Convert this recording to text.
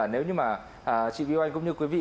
nếu như chị viu anh cũng như quý vị